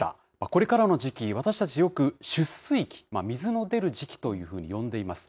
これからの時期、私たちよく、出水期、水の出る時期というふうに呼んでいます。